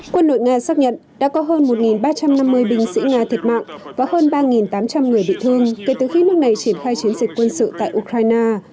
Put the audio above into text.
quân đội nga xác nhận đã có hơn một ba trăm năm mươi binh sĩ nga thiệt mạng và hơn ba tám trăm linh người bị thương kể từ khi nước này triển khai chiến dịch quân sự tại ukraine